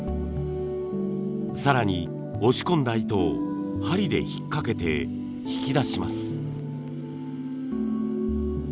更に押し込んだ糸を針で引っかけて引き出します。